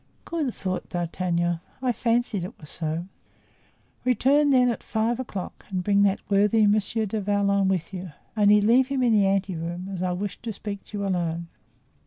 "Good!" thought D'Artagnan; "I fancied it was so." "Return, then, at five o'clock and bring that worthy Monsieur du Vallon with you. Only, leave him in the ante room, as I wish to speak to you alone."